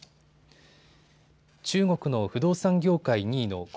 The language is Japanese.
中国の不動産業界２位の恒